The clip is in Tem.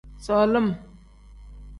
Solim.